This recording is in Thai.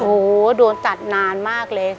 โอ้โหโดนตัดนานมากเลย